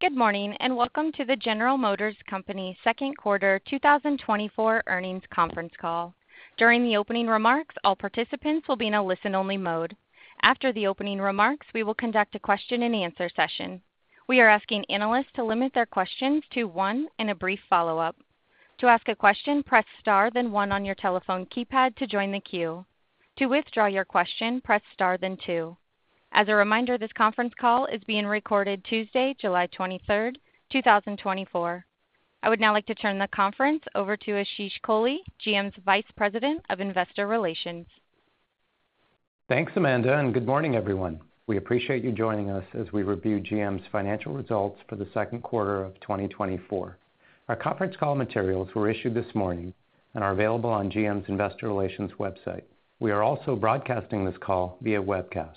Good morning and welcome to the General Motors Company second quarter 2024 earnings conference call. During the opening remarks, all participants will be in a listen-only mode. After the opening remarks, we will conduct a question-and-answer session. We are asking analysts to limit their questions to one and a brief follow-up. To ask a question, press star, then one on your telephone keypad to join the queue. To withdraw your question, press star, then two. As a reminder, this conference call is being recorded Tuesday, July 23rd, 2024. I would now like to turn the conference over to Ashish Kohli, GM's Vice President of Investor Relations. Thanks, Amanda, and good morning, everyone. We appreciate you joining us as we review GM's financial results for the second quarter of 2024. Our conference call materials were issued this morning and are available on GM's Investor Relations website. We are also broadcasting this call via webcast.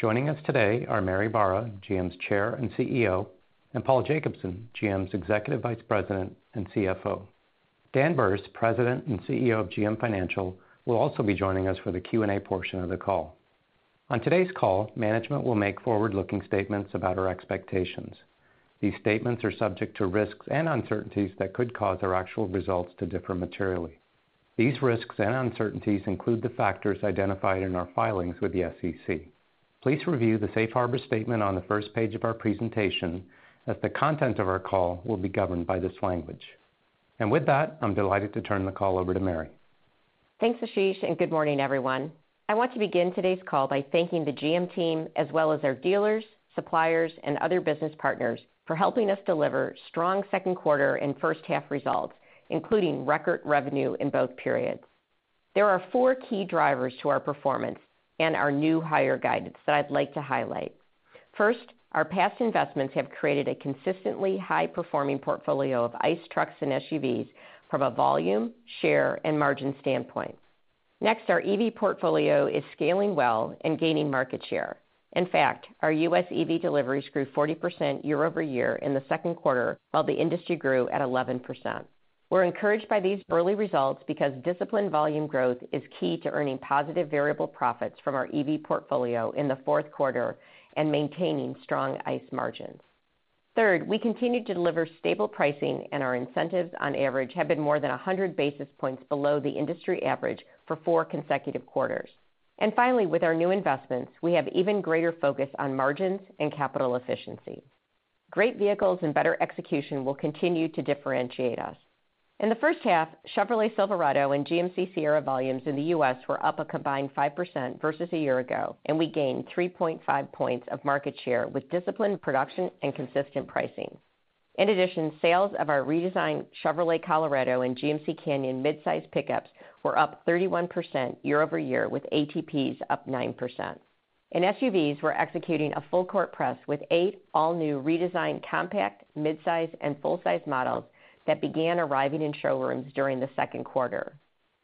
Joining us today are Mary Barra, GM's Chair and CEO, and Paul Jacobson, GM's Executive Vice President and CFO. Dan Berce, President and CEO of GM Financial, will also be joining us for the Q&A portion of the call. On today's call, management will make forward-looking statements about our expectations. These statements are subject to risks and uncertainties that could cause our actual results to differ materially. These risks and uncertainties include the factors identified in our filings with the SEC. Please review the Safe Harbor statement on the first page of our presentation, as the content of our call will be governed by this language. With that, I'm delighted to turn the call over to Mary. Thanks, Ashish, and good morning, everyone. I want to begin today's call by thanking the GM team as well as our dealers, suppliers, and other business partners for helping us deliver strong second quarter and first half results, including record revenue in both periods. There are four key drivers to our performance and our new hire guidance that I'd like to highlight. First, our past investments have created a consistently high-performing portfolio of ICE trucks and SUVs from a volume, share, and margin standpoint. Next, our EV portfolio is scaling well and gaining market share. In fact, our U.S. EV deliveries grew 40% year-over-year in the second quarter, while the industry grew at 11%. We're encouraged by these early results because disciplined volume growth is key to earning positive variable profits from our EV portfolio in the fourth quarter and maintaining strong ICE margins. Third, we continue to deliver stable pricing, and our incentives, on average, have been more than 100 basis points below the industry average for four consecutive quarters. Finally, with our new investments, we have even greater focus on margins and capital efficiency. Great vehicles and better execution will continue to differentiate us. In the first half, Chevrolet Silverado and GMC Sierra volumes in the U.S. were up a combined 5% versus a year ago, and we gained 3.5 points of market share with disciplined production and consistent pricing. In addition, sales of our redesigned Chevrolet Colorado and GMC Canyon midsize pickups were up 31% year-over-year, with ATPs up 9%. SUVs were executing a full-court press with eight all-new redesigned compact, midsize, and full-size models that began arriving in showrooms during the second quarter.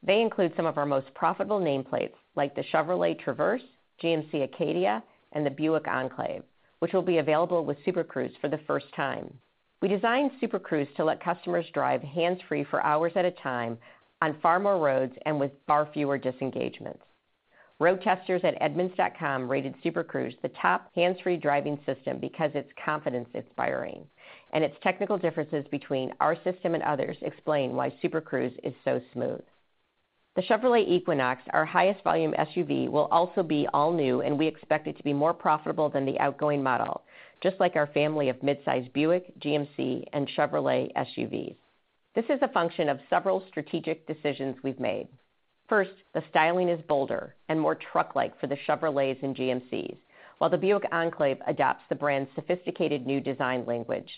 They include some of our most profitable nameplates, like the Chevrolet Traverse, GMC Acadia, and the Buick Enclave, which will be available with Super Cruise for the first time. We designed Super Cruise to let customers drive hands-free for hours at a time on far more roads and with far fewer disengagements. Road testers at Edmunds.com rated Super Cruise the top hands-free driving system because it's confidence-inspiring, and its technical differences between our system and others explain why Super Cruise is so smooth. The Chevrolet Equinox, our highest volume SUV, will also be all-new, and we expect it to be more profitable than the outgoing model, just like our family of midsize Buick, GMC, and Chevrolet SUVs. This is a function of several strategic decisions we've made. First, the styling is bolder and more truck-like for the Chevrolets and GMCs, while the Buick Enclave adopts the brand's sophisticated new design language.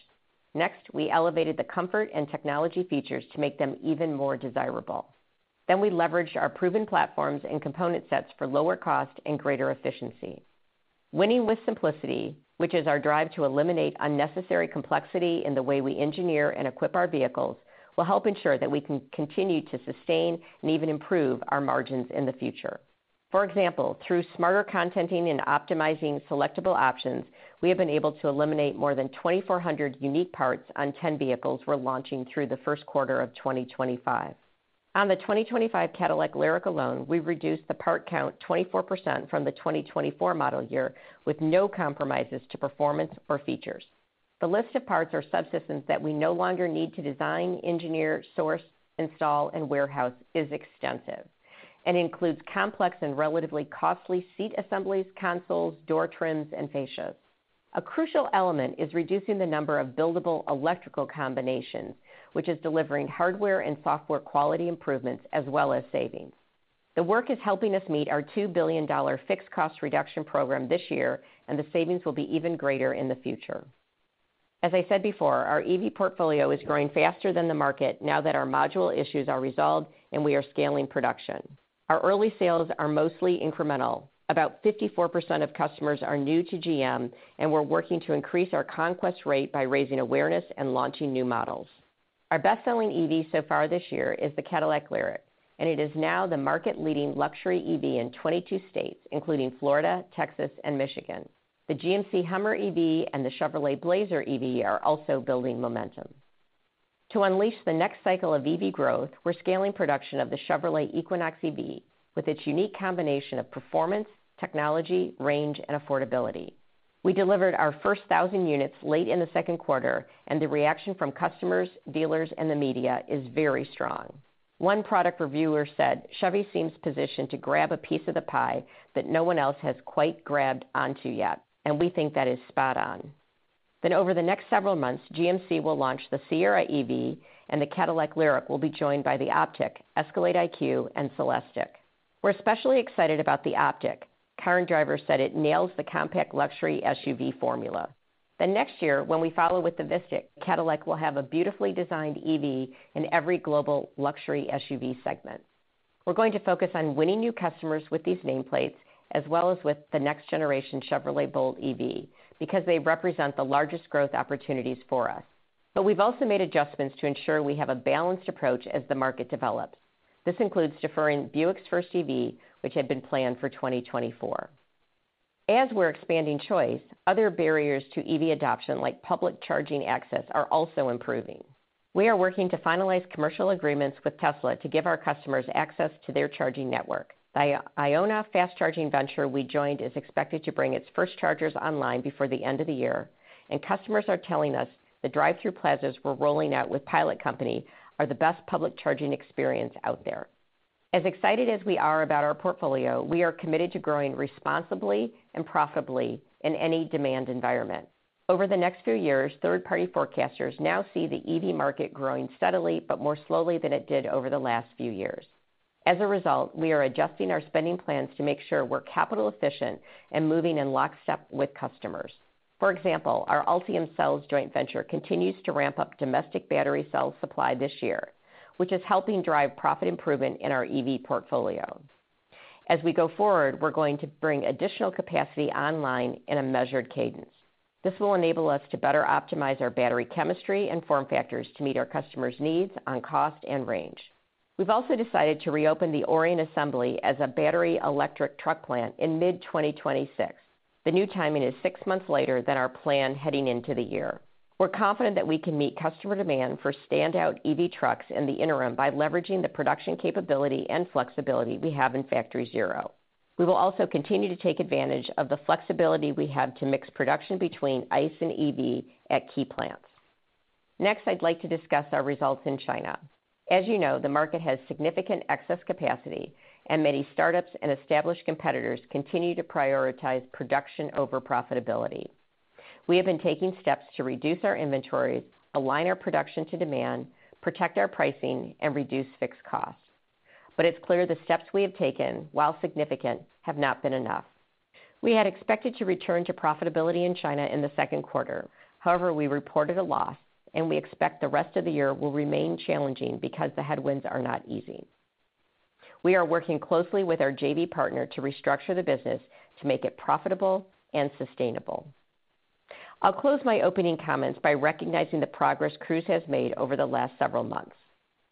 Next, we elevated the comfort and technology features to make them even more desirable. Then we leveraged our proven platforms and component sets for lower cost and greater efficiency. Winning with simplicity, which is our drive to eliminate unnecessary complexity in the way we engineer and equip our vehicles, will help ensure that we can continue to sustain and even improve our margins in the future. For example, through smarter contenting and optimizing selectable options, we have been able to eliminate more than 2,400 unique parts on 10 vehicles we're launching through the first quarter of 2025. On the 2025 Cadillac LYRIQ alone, we reduced the part count 24% from the 2024 model year with no compromises to performance or features. The list of parts or subsystems that we no longer need to design, engineer, source, install, and warehouse is extensive and includes complex and relatively costly seat assemblies, consoles, door trims, and fascias. A crucial element is reducing the number of buildable electrical combinations, which is delivering hardware and software quality improvements as well as savings. The work is helping us meet our $2 billion fixed cost reduction program this year, and the savings will be even greater in the future. As I said before, our EV portfolio is growing faster than the market now that our module issues are resolved and we are scaling production. Our early sales are mostly incremental. About 54% of customers are new to GM, and we're working to increase our conquest rate by raising awareness and launching new models. Our best-selling EV so far this year is the Cadillac LYRIQ, and it is now the market-leading luxury EV in 22 states, including Florida, Texas, and Michigan. The GMC HUMMER EV and the Chevrolet Blazer EV are also building momentum. To unleash the next cycle of EV growth, we're scaling production of the Chevrolet Equinox EV with its unique combination of performance, technology, range, and affordability. We delivered our first 1,000 units late in the second quarter, and the reaction from customers, dealers, and the media is very strong. One product reviewer said, "Chevy seems positioned to grab a piece of the pie that no one else has quite grabbed onto yet, and we think that is spot on." Then, over the next several months, GMC will launch the Sierra EV, and the Cadillac LYRIQ will be joined by the OPTIQ, ESCALADE IQ, and CELESTIQ. We're especially excited about the OPTIQ. Current drivers said it nails the compact luxury SUV formula. Then, next year, when we follow with the VISTIQ, Cadillac will have a beautifully designed EV in every global luxury SUV segment. We're going to focus on winning new customers with these nameplates as well as with the next-generation Chevrolet Bolt EV because they represent the largest growth opportunities for us. But we've also made adjustments to ensure we have a balanced approach as the market develops. This includes deferring Buick's first EV, which had been planned for 2024. As we're expanding choice, other barriers to EV adoption, like public charging access, are also improving. We are working to finalize commercial agreements with Tesla to give our customers access to their charging network. The IONNA Fast Charging Venture we joined is expected to bring its first chargers online before the end of the year, and customers are telling us the drive-through plazas we're rolling out with Pilot Company are the best public charging experience out there. As excited as we are about our portfolio, we are committed to growing responsibly and profitably in any demand environment. Over the next few years, third-party forecasters now see the EV market growing steadily but more slowly than it did over the last few years. As a result, we are adjusting our spending plans to make sure we're capital-efficient and moving in lockstep with customers. For example, our Ultium Cells joint venture continues to ramp up domestic battery cell supply this year, which is helping drive profit improvement in our EV portfolio. As we go forward, we're going to bring additional capacity online in a measured cadence. This will enable us to better optimize our battery chemistry and form factors to meet our customers' needs on cost and range. We've also decided to reopen the Orion Assembly as a battery electric truck plant in mid-2026. The new timing is six months later than our plan heading into the year. We're confident that we can meet customer demand for standout EV trucks in the interim by leveraging the production capability and flexibility we have in Factory ZERO. We will also continue to take advantage of the flexibility we have to mix production between ICE and EV at key plants. Next, I'd like to discuss our results in China. As you know, the market has significant excess capacity, and many startups and established competitors continue to prioritize production over profitability. We have been taking steps to reduce our inventories, align our production to demand, protect our pricing, and reduce fixed costs. But it's clear the steps we have taken, while significant, have not been enough. We had expected to return to profitability in China in the second quarter. However, we reported a loss, and we expect the rest of the year will remain challenging because the headwinds are not easy. We are working closely with our JV partner to restructure the business to make it profitable and sustainable. I'll close my opening comments by recognizing the progress Cruise has made over the last several months.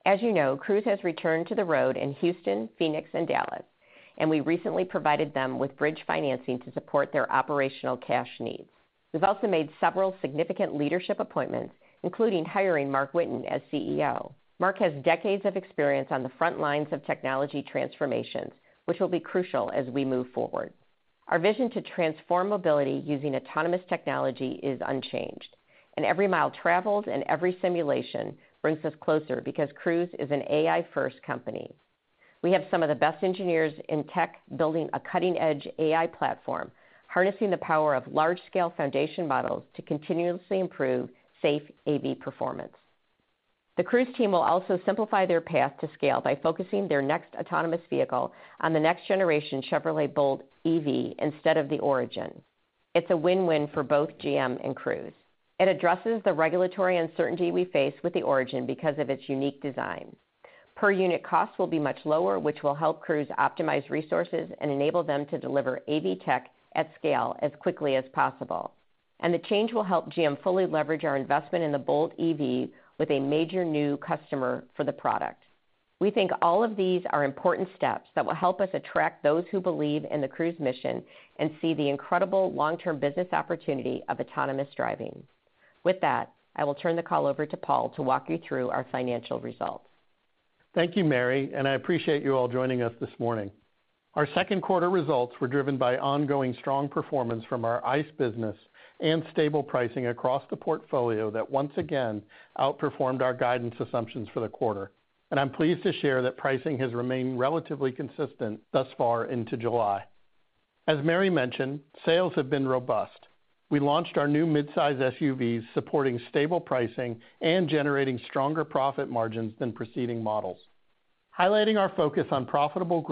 As you know, Cruise has returned to the road in Houston, Phoenix, and Dallas, and we recently provided them with bridge financing to support their operational cash needs. We've also made several significant leadership appointments, including hiring Marc Whitten as CEO. Mark has decades of experience on the front lines of technology transformations, which will be crucial as we move forward. Our vision to transform mobility using autonomous technology is unchanged, and every mile traveled and every simulation brings us closer because Cruise is an AI-first company. We have some of the best engineers in tech building a cutting-edge AI platform, harnessing the power of large-scale foundation models to continuously improve safe AV performance. The Cruise team will also simplify their path to scale by focusing their next autonomous vehicle on the next-generation Chevrolet Bolt EV instead of the Origin. It's a win-win for both GM and Cruise. It addresses the regulatory uncertainty we face with the Origin because of its unique design. Per-unit costs will be much lower, which will help Cruise optimize resources and enable them to deliver AV tech at scale as quickly as possible. The change will help GM fully leverage our investment in the Bolt EV with a major new customer for the product. We think all of these are important steps that will help us attract those who believe in the Cruise mission and see the incredible long-term business opportunity of autonomous driving. With that, I will turn the call over to Paul to walk you through our financial results. Thank you, Mary, and I appreciate you all joining us this morning. Our second quarter results were driven by ongoing strong performance from our ICE business and stable pricing across the portfolio that once again outperformed our guidance assumptions for the quarter. I'm pleased to share that pricing has remained relatively consistent thus far into July. As Mary mentioned, sales have been robust. We launched our new midsize SUVs supporting stable pricing and generating stronger profit margins than preceding models. Highlighting our focus on profitable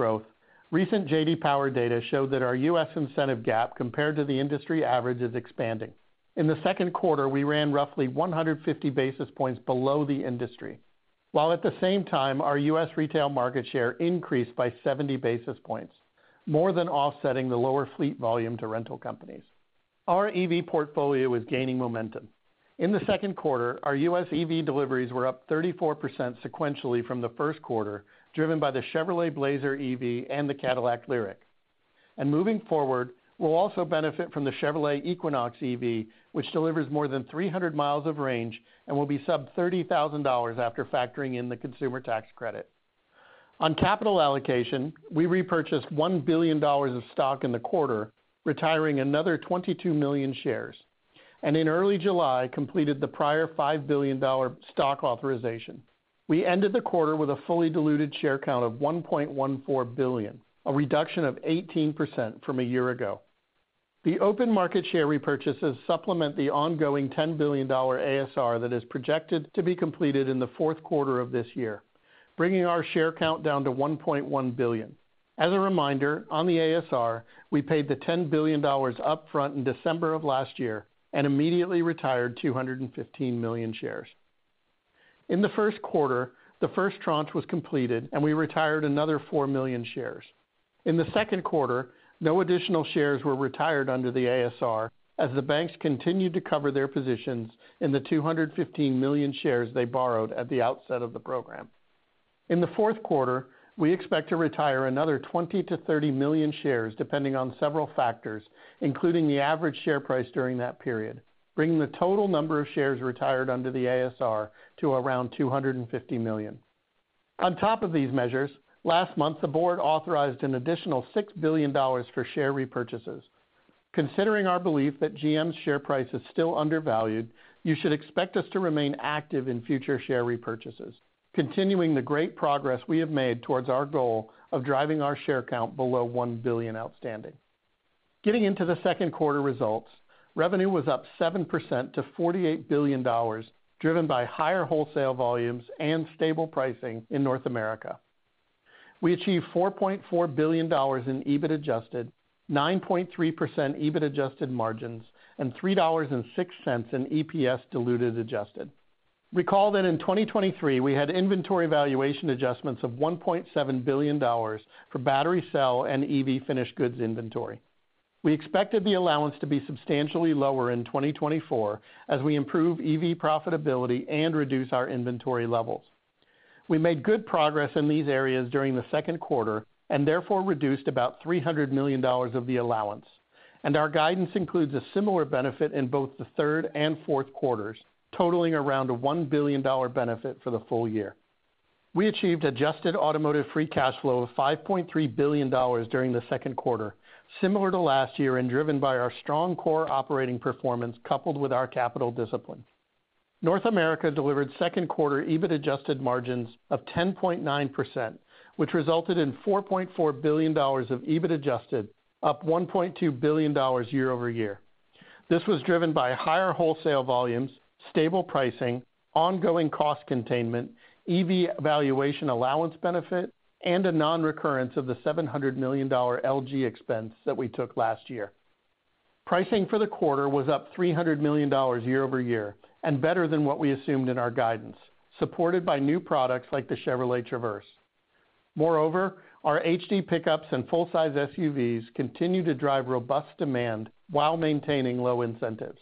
growth, recent J.D. Power data showed that our U.S. incentive gap compared to the industry average is expanding. In the second quarter, we ran roughly 150 basis points below the industry, while at the same time, our U.S. retail market share increased by 70 basis points, more than offsetting the lower fleet volume to rental companies. Our EV portfolio is gaining momentum. In the second quarter, our U.S. EV deliveries were up 34% sequentially from the first quarter, driven by the Chevrolet Blazer EV and the Cadillac LYRIQ. Moving forward, we'll also benefit from the Chevrolet Equinox EV, which delivers more than 300 miles of range and will be sub-$30,000 after factoring in the consumer tax credit. On capital allocation, we repurchased $1 billion of stock in the quarter, retiring another 22 million shares, and in early July, completed the prior $5 billion stock authorization. We ended the quarter with a fully diluted share count of 1.14 billion, a reduction of 18% from a year ago. The open market share repurchases supplement the ongoing $10 billion ASR that is projected to be completed in the fourth quarter of this year, bringing our share count down to 1.1 billion. As a reminder, on the ASR, we paid the $10 billion upfront in December of last year and immediately retired 215 million shares. In the first quarter, the first tranche was completed, and we retired another 4 million shares. In the second quarter, no additional shares were retired under the ASR, as the banks continued to cover their positions in the 215 million shares they borrowed at the outset of the program. In the fourth quarter, we expect to retire another 20-30 million shares, depending on several factors, including the average share price during that period, bringing the total number of shares retired under the ASR to around 250 million. On top of these measures, last month, the board authorized an additional $6 billion for share repurchases. Considering our belief that GM's share price is still undervalued, you should expect us to remain active in future share repurchases, continuing the great progress we have made towards our goal of driving our share count below 1 billion outstanding. Getting into the second quarter results, revenue was up 7% to $48 billion, driven by higher wholesale volumes and stable pricing in North America. We achieved $4.4 billion in adjusted EBIT, 9.3% adjusted EBIT margins, and $3.06 in adjusted diluted EPS. Recall that in 2023, we had inventory valuation adjustments of $1.7 billion for battery cell and EV finished goods inventory. We expected the allowance to be substantially lower in 2024 as we improve EV profitability and reduce our inventory levels. We made good progress in these areas during the second quarter and therefore reduced about $300 million of the allowance. Our guidance includes a similar benefit in both the third and fourth quarters, totaling around a $1 billion benefit for the full year. We achieved adjusted automotive free cash flow of $5.3 billion during the second quarter, similar to last year and driven by our strong core operating performance coupled with our capital discipline. North America delivered second quarter EBIT adjusted margins of 10.9%, which resulted in $4.4 billion of EBIT adjusted, up $1.2 billion year-over-year. This was driven by higher wholesale volumes, stable pricing, ongoing cost containment, EV valuation allowance benefit, and a non-recurrence of the $700 million LG expense that we took last year. Pricing for the quarter was up $300 million year-over-year and better than what we assumed in our guidance, supported by new products like the Chevrolet Traverse. Moreover, our HD pickups and full-size SUVs continue to drive robust demand while maintaining low incentives.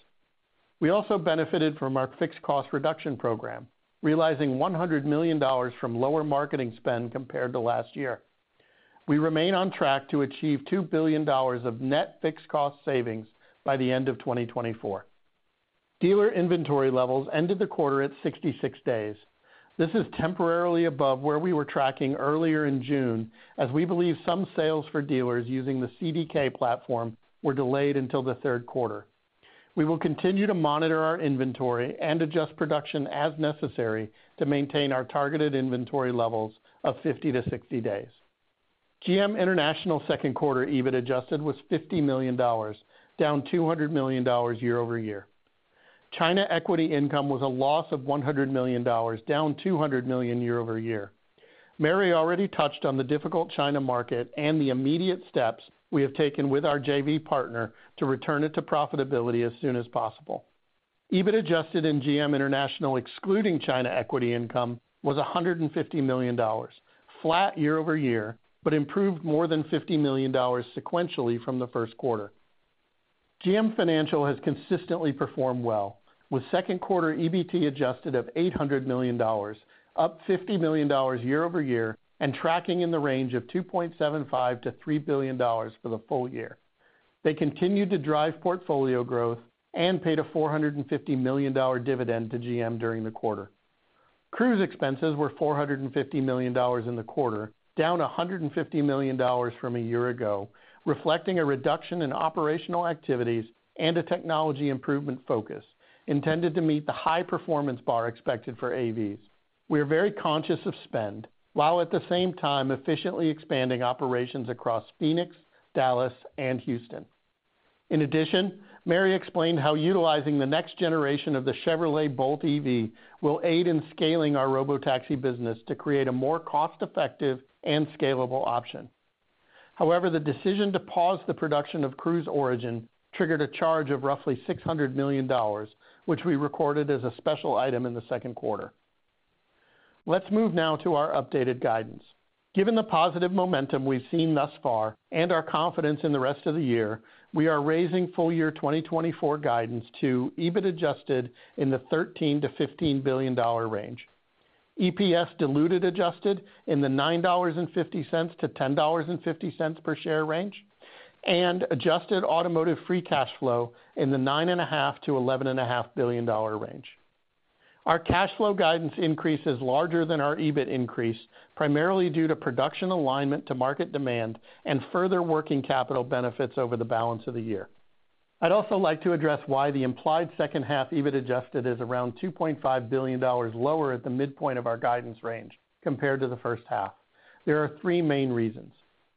We also benefited from our fixed cost reduction program, realizing $100 million from lower marketing spend compared to last year. We remain on track to achieve $2 billion of net fixed cost savings by the end of 2024. Dealer inventory levels ended the quarter at 66 days. This is temporarily above where we were tracking earlier in June, as we believe some sales for dealers using the CDK platform were delayed until the third quarter. We will continue to monitor our inventory and adjust production as necessary to maintain our targeted inventory levels of 50-60 days. GM International's second quarter EBIT adjusted was $50 million, down $200 million year-over-year. China equity income was a loss of $100 million, down $200 million year-over-year. Mary already touched on the difficult China market and the immediate steps we have taken with our JV partner to return it to profitability as soon as possible. EBIT adjusted in GM International excluding China equity income was $150 million, flat year-over-year, but improved more than $50 million sequentially from the first quarter. GM Financial has consistently performed well, with second quarter EBIT adjusted of $800 million, up $50 million year-over-year, and tracking in the range of $2.75-$3 billion for the full year. They continued to drive portfolio growth and paid a $450 million dividend to GM during the quarter. Cruise expenses were $450 million in the quarter, down $150 million from a year ago, reflecting a reduction in operational activities and a technology improvement focus intended to meet the high performance bar expected for AVs. We are very conscious of spend while at the same time efficiently expanding operations across Phoenix, Dallas, and Houston. In addition, Mary explained how utilizing the next generation of the Chevrolet Bolt EV will aid in scaling our robotaxi business to create a more cost-effective and scalable option. However, the decision to pause the production of Cruise Origin triggered a charge of roughly $600 million, which we recorded as a special item in the second quarter. Let's move now to our updated guidance. Given the positive momentum we've seen thus far and our confidence in the rest of the year, we are raising full year 2024 guidance to EBIT adjusted in the $13-$15 billion range, EPS diluted adjusted in the $9.50-$10.50 per share range, and adjusted automotive free cash flow in the $9.5-$11.5 billion range. Our cash flow guidance increase is larger than our EBIT increase, primarily due to production alignment to market demand and further working capital benefits over the balance of the year. I'd also like to address why the implied second half EBIT adjusted is around $2.5 billion lower at the midpoint of our guidance range compared to the first half. There are three main reasons.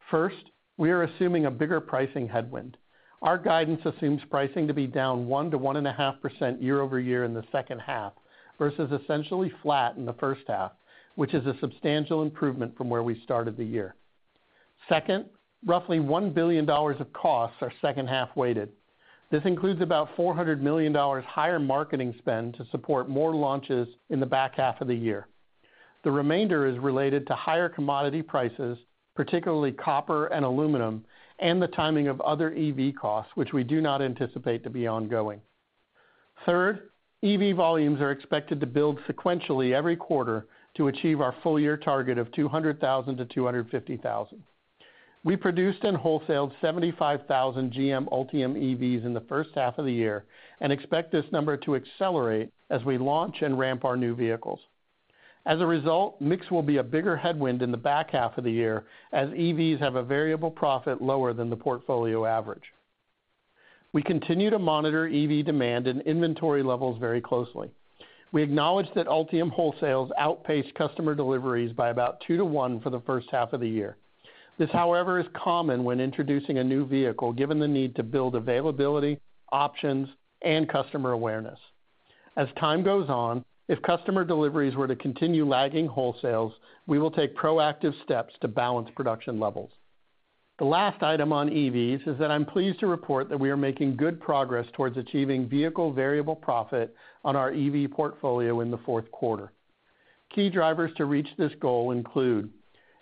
First, we are assuming a bigger pricing headwind. Our guidance assumes pricing to be down 1%-1.5% year-over-year in the second half versus essentially flat in the first half, which is a substantial improvement from where we started the year. Second, roughly $1 billion of costs are second half weighted. This includes about $400 million higher marketing spend to support more launches in the back half of the year. The remainder is related to higher commodity prices, particularly copper and aluminum, and the timing of other EV costs, which we do not anticipate to be ongoing. Third, EV volumes are expected to build sequentially every quarter to achieve our full year target of 200,000-250,000. We produced and wholesaled 75,000 GM Ultium EVs in the first half of the year and expect this number to accelerate as we launch and ramp our new vehicles. As a result, mix will be a bigger headwind in the back half of the year as EVs have a variable profit lower than the portfolio average. We continue to monitor EV demand and inventory levels very closely. We acknowledge that Ultium wholesales outpaced customer deliveries by about 2-to-1 for the first half of the year. This, however, is common when introducing a new vehicle given the need to build availability, options, and customer awareness. As time goes on, if customer deliveries were to continue lagging wholesales, we will take proactive steps to balance production levels. The last item on EVs is that I'm pleased to report that we are making good progress towards achieving vehicle variable profit on our EV portfolio in the fourth quarter. Key drivers to reach this goal include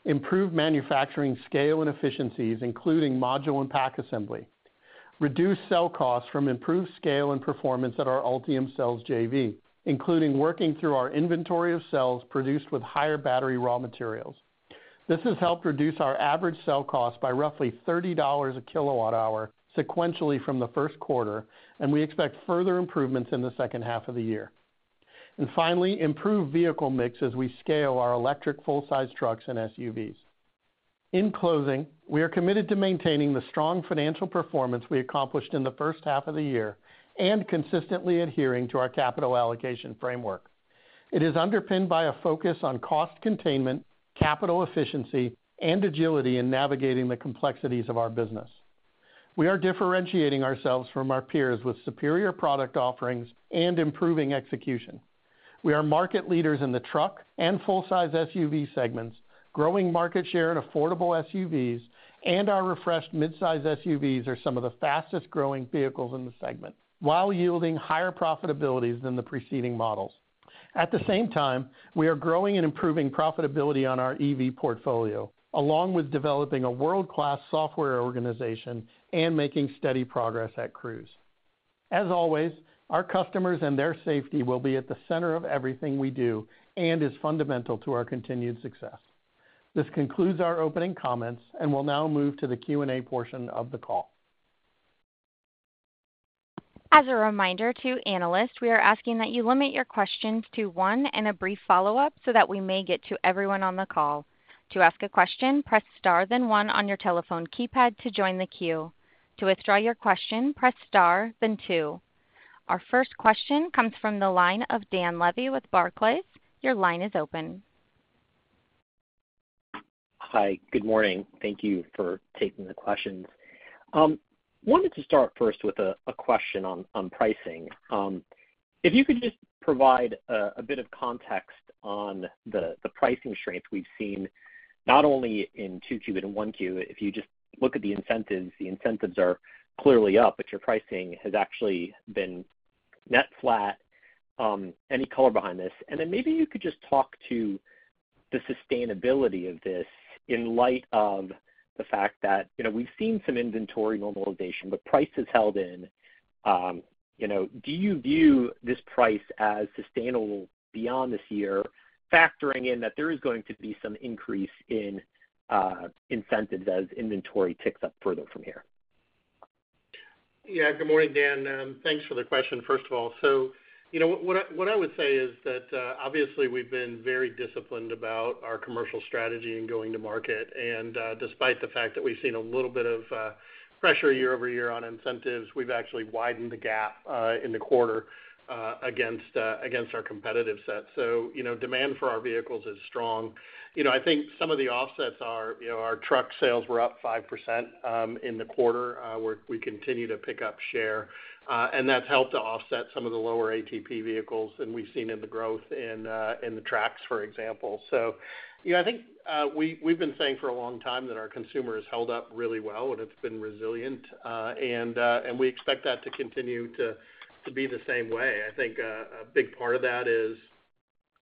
improved manufacturing scale and efficiencies, including module and pack assembly. Reduced cell costs from improved scale and performance at our Ultium Cells JV, including working through our inventory of cells produced with higher battery raw materials. This has helped reduce our average cell cost by roughly $30/kWh sequentially from the first quarter, and we expect further improvements in the second half of the year. Finally, improved vehicle mix as we scale our electric full-size trucks and SUVs. In closing, we are committed to maintaining the strong financial performance we accomplished in the first half of the year and consistently adhering to our capital allocation framework. It is underpinned by a focus on cost containment, capital efficiency, and agility in navigating the complexities of our business. We are differentiating ourselves from our peers with superior product offerings and improving execution. We are market leaders in the truck and full-size SUV segments, growing market share in affordable SUVs, and our refreshed midsize SUVs are some of the fastest growing vehicles in the segment while yielding higher profitabilities than the preceding models. At the same time, we are growing and improving profitability on our EV portfolio, along with developing a world-class software organization and making steady progress at Cruise. As always, our customers and their safety will be at the center of everything we do and is fundamental to our continued success. This concludes our opening comments, and we'll now move to the Q&A portion of the call. As a reminder to analysts, we are asking that you limit your questions to one and a brief follow-up so that we may get to everyone on the call. To ask a question, press star then one on your telephone keypad to join the queue. To withdraw your question, press star then two. Our first question comes from the line of Dan Levy with Barclays. Your line is open. Hi, good morning. Thank you for taking the questions. I wanted to start first with a question on pricing. If you could just provide a bit of context on the pricing strength we've seen, not only in Q2 and Q1, if you just look at the incentives, the incentives are clearly up, but your pricing has actually been net flat. Any color behind this? And then maybe you could just talk to the sustainability of this in light of the fact that we've seen some inventory normalization, but price has held in. Do you view this price as sustainable beyond this year, factoring in that there is going to be some increase in incentives as inventory ticks up further from here? Yeah, good morning, Dan. Thanks for the question, first of all. So what I would say is that obviously we've been very disciplined about our commercial strategy and going to market. Despite the fact that we've seen a little bit of pressure year-over-year on incentives, we've actually widened the gap in the quarter against our competitive set. So demand for our vehicles is strong. I think some of the offsets are our truck sales were up 5% in the quarter where we continue to pick up share. And that's helped to offset some of the lower ATP vehicles that we've seen in the growth in the trucks, for example. So I think we've been saying for a long time that our consumer has held up really well and it's been resilient. And we expect that to continue to be the same way. I think a big part of that is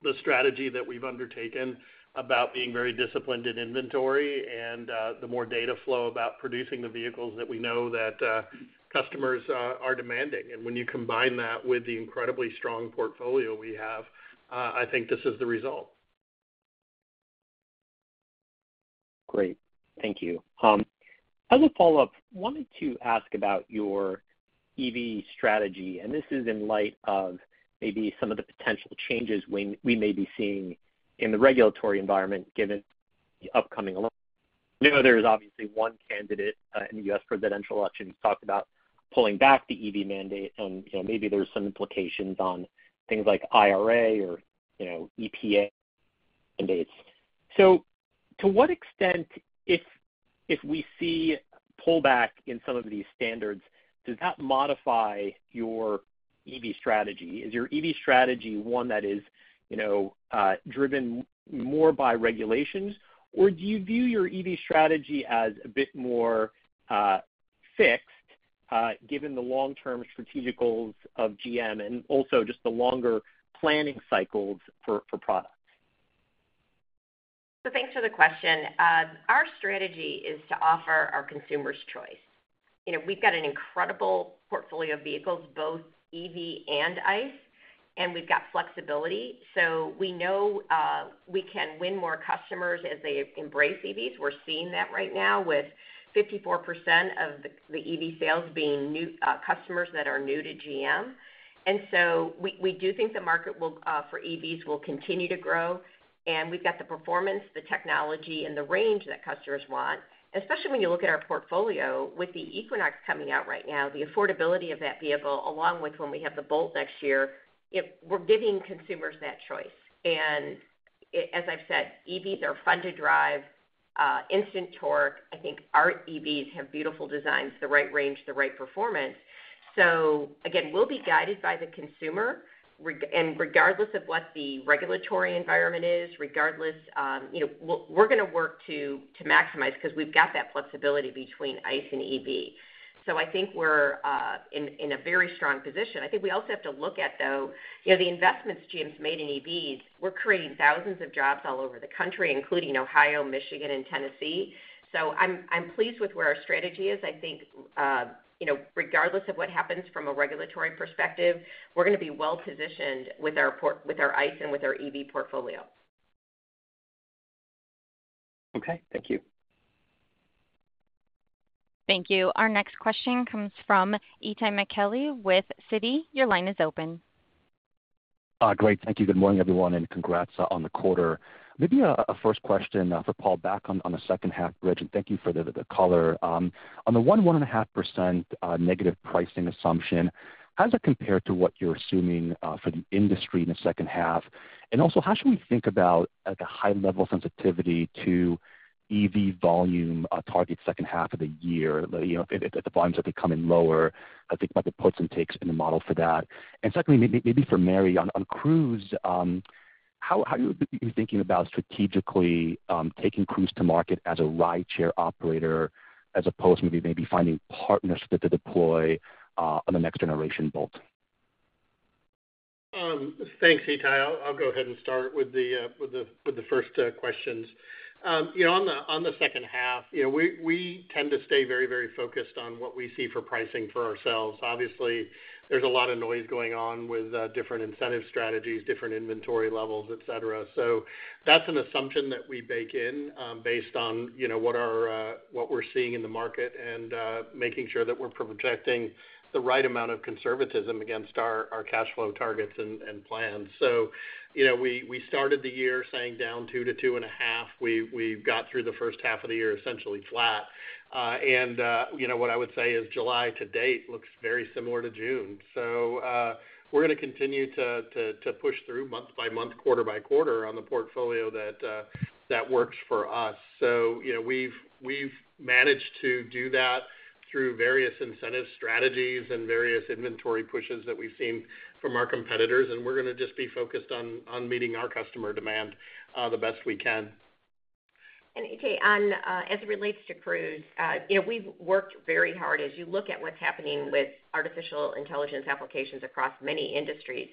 the strategy that we've undertaken about being very disciplined in inventory and the more data flow about producing the vehicles that we know that customers are demanding. When you combine that with the incredibly strong portfolio we have, I think this is the result. Great. Thank you. As a follow-up, I wanted to ask about your EV strategy. This is in light of maybe some of the potential changes we may be seeing in the regulatory environment given the upcoming election. I know there is obviously one candidate in the U.S. presidential election who's talked about pulling back the EV mandate. Maybe there's some implications on things like IRA or EPA mandates. To what extent, if we see pullback in some of these standards, does that modify your EV strategy? Is your EV strategy one that is driven more by regulations, or do you view your EV strategy as a bit more fixed given the long-term strategicals of GM and also just the longer planning cycles for products? Thanks for the question. Our strategy is to offer our consumers choice. We've got an incredible portfolio of vehicles, both EV and ICE, and we've got flexibility. So we know we can win more customers as they embrace EVs. We're seeing that right now with 54% of the EV sales being customers that are new to GM. And so we do think the market for EVs will continue to grow. And we've got the performance, the technology, and the range that customers want. Especially when you look at our portfolio with the Equinox coming out right now, the affordability of that vehicle, along with when we have the Bolt next year, we're giving consumers that choice. And as I've said, EVs are fun to drive, instant torque. I think our EVs have beautiful designs, the right range, the right performance. So again, we'll be guided by the consumer. And regardless of what the regulatory environment is, regardless, we're going to work to maximize because we've got that flexibility between ICE and EV. So I think we're in a very strong position. I think we also have to look at, though, the investments James made in EVs. We're creating thousands of jobs all over the country, including Ohio, Michigan, and Tennessee. So I'm pleased with where our strategy is. I think regardless of what happens from a regulatory perspective, we're going to be well positioned with our ICE and with our EV portfolio. Okay. Thank you. Thank you. Our next question comes from Itay Michaeli with Citi. Your line is open. Great. Thank you. Good morning, everyone, and congrats on the quarter. Maybe a first question for Paul back on the second half and thank you for the color. On the 1%-1.5% negative pricing assumption, how does it compare to what you're assuming for the industry in the second half? And also, how should we think about a high-level sensitivity to EV volume target second half of the year? If the volumes are becoming lower, I think about the puts and takes in the model for that. And secondly, maybe for Mary, on Cruise, how are you thinking about strategically taking Cruise to market as a rideshare operator as opposed to maybe finding partners to deploy on the next generation bolt? Thanks, Itay. I'll go ahead and start with the first questions. On the second half, we tend to stay very, very focused on what we see for pricing for ourselves. Obviously, there's a lot of noise going on with different incentive strategies, different inventory levels, etc. So that's an assumption that we bake in based on what we're seeing in the market and making sure that we're projecting the right amount of conservatism against our cash flow targets and plans. So we started the year saying down 2-2.5. We got through the first half of the year essentially flat. And what I would say is July to date looks very similar to June. So we're going to continue to push through month by month, quarter by quarter on the portfolio that works for us. So we've managed to do that through various incentive strategies and various inventory pushes that we've seen from our competitors. And we're going to just be focused on meeting our customer demand the best we can. And Itay, as it relates to Cruise, we've worked very hard as you look at what's happening with artificial intelligence applications across many industries.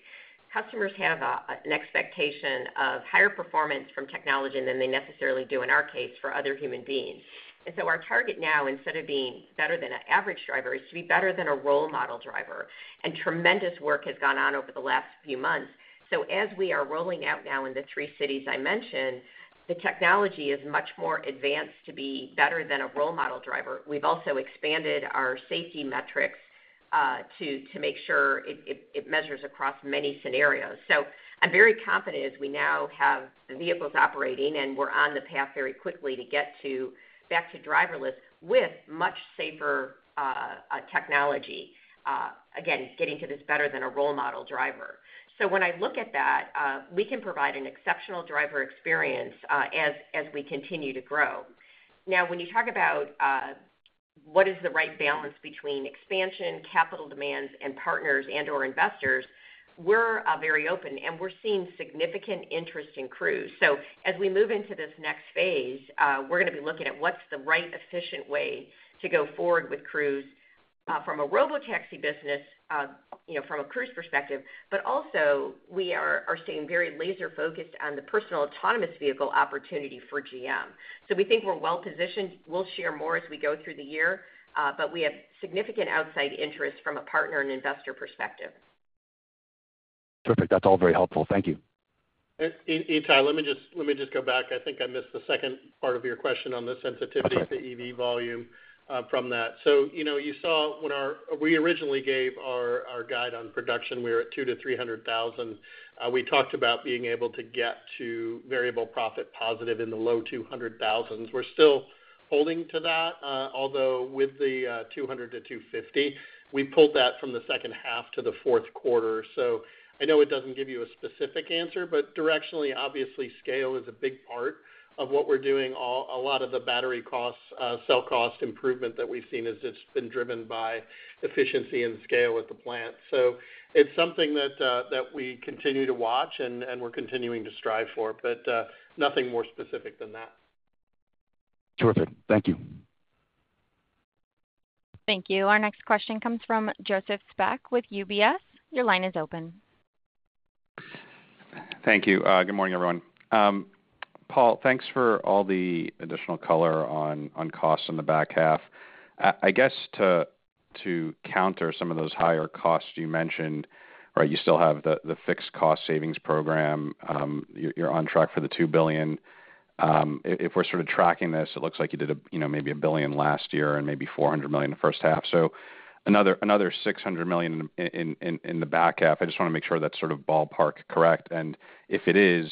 Customers have an expectation of higher performance from technology than they necessarily do in our case for other human beings. And so our target now, instead of being better than an average driver, is to be better than a role model driver. And tremendous work has gone on over the last few months. So as we are rolling out now in the three cities I mentioned, the technology is much more advanced to be better than a role model driver. We've also expanded our safety metrics to make sure it measures across many scenarios. So I'm very confident as we now have the vehicles operating, and we're on the path very quickly to get back to driverless with much safer technology. Again, getting to this better than a role model driver. So when I look at that, we can provide an exceptional driver experience as we continue to grow. Now, when you talk about what is the right balance between expansion, capital demands, and partners and/or investors, we're very open, and we're seeing significant interest in Cruise. So as we move into this next phase, we're going to be looking at what's the right efficient way to go forward with Cruise from a robotaxi business, from a Cruise perspective, but also we are staying very laser-focused on the personal autonomous vehicle opportunity for GM. So we think we're well positioned. We'll share more as we go through the year, but we have significant outside interest from a partner and investor perspective. Terrific. That's all very helpful. Thank you. Itay, let me just go back. I think I missed the second part of your question on the sensitivity to EV volume from that. So you saw when we originally gave our guide on production, we were at 200,000-300,000. We talked about being able to get to variable profit positive in the low 200,000. We're still holding to that, although with the 200,000-250,000, we pulled that from the second half to the fourth quarter. So I know it doesn't give you a specific answer, but directionally, obviously, scale is a big part of what we're doing. A lot of the battery costs, cell cost improvement that we've seen has just been driven by efficiency and scale at the plant. So it's something that we continue to watch, and we're continuing to strive for, but nothing more specific than that. Terrific. Thank you. Thank you. Our next question comes from Joseph Spak with UBS. Your line is open. Thank you. Good morning, everyone. Paul, thanks for all the additional color on costs in the back half. I guess to counter some of those higher costs you mentioned, right, you still have the fixed cost savings program. You're on track for the $2 billion. If we're sort of tracking this, it looks like you did maybe $1 billion last year and maybe $400 million in the first half. So another $600 million in the back half. I just want to make sure that's sort of ballpark correct. And if it is,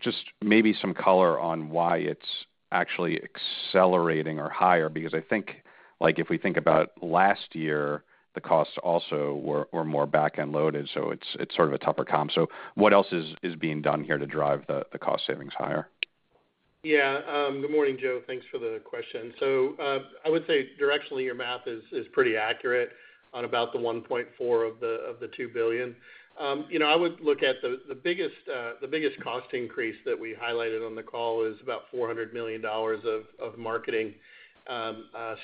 just maybe some color on why it's actually accelerating or higher, because I think if we think about last year, the costs also were more back-end loaded. So it's sort of a tougher comp. So what else is being done here to drive the cost savings higher? Yeah. Good morning, Joe. Thanks for the question. So I would say directionally, your math is pretty accurate on about the $1.4 billion of the $2 billion. I would look at the biggest cost increase that we highlighted on the call is about $400 million of marketing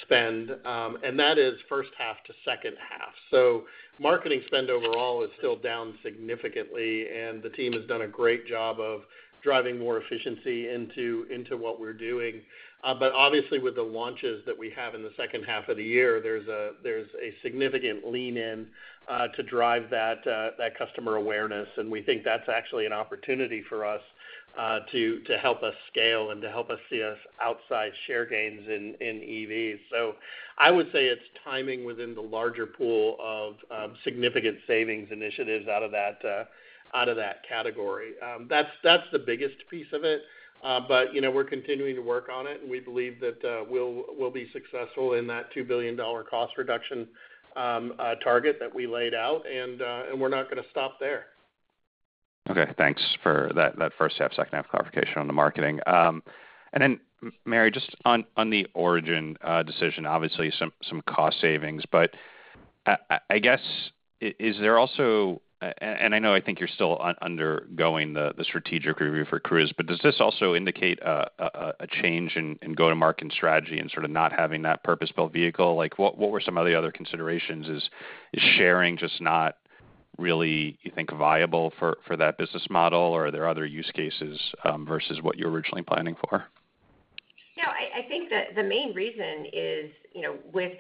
spend. And that is first half to second half. So marketing spend overall is still down significantly. And the team has done a great job of driving more efficiency into what we're doing. But obviously, with the launches that we have in the second half of the year, there's a significant lean-in to drive that customer awareness. And we think that's actually an opportunity for us to help us scale and to help us see us outside share gains in EVs. So I would say it's timing within the larger pool of significant savings initiatives out of that category. That's the biggest piece of it. But we're continuing to work on it. And we believe that we'll be successful in that $2 billion cost reduction target that we laid out. And we're not going to stop there. Okay. Thanks for that first half, second half clarification on the marketing. And then, Mary, just on the Origin decision, obviously, some cost savings. But I guess, is there also, and I know I think you're still undergoing the strategic review for Cruise, but does this also indicate a change in go-to-market strategy and sort of not having that purpose-built vehicle? What were some of the other considerations? Is sharing just not really, you think, viable for that business model? Or are there other use cases versus what you're originally planning for? Yeah. I think that the main reason is with